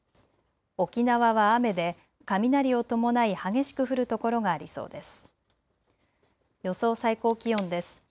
沖縄は雨で雷を伴い激しく降る所がありそうです。